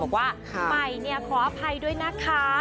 บอกว่าใหม่ขออภัยด้วยนะคะ